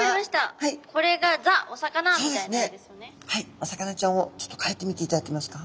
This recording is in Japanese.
お魚ちゃんをちょっとかいてみていただけますか？